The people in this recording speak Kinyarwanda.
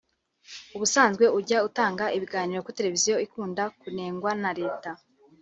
ubusanzwe ujya utanga ibiganiro kuri televiziyo ikunda kunengwa na Leta